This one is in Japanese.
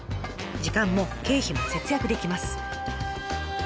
時間も経費も節約できます。